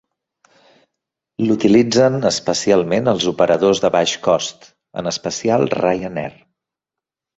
L'utilitzen especialment els operadors de baix cost, en especial Ryanair.